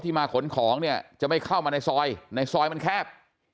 มาขนของเนี่ยจะไม่เข้ามาในซอยในซอยมันแคบ